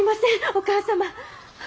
お義母様！